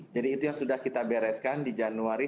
jadi itu yang sudah kita bereskan di januari